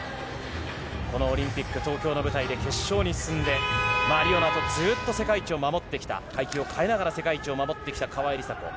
このオリンピック、東京の舞台で決勝に進んで、リオのあと、ずっと世界一を守ってきた、階級を変えながら世界一を守ってきた川井梨紗子。